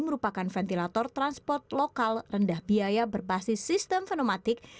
merupakan ventilator transport lokal rendah biaya berbasis sistem pneumatik